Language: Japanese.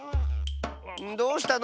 どうしたの？